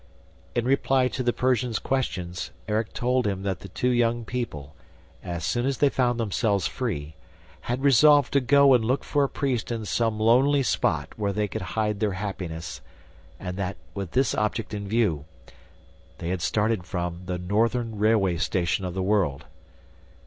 In reply to the Persian's questions, Erik told him that the two young people, at soon as they found themselves free, had resolved to go and look for a priest in some lonely spot where they could hide their happiness and that, with this object in view, they had started from "the northern railway station of the world."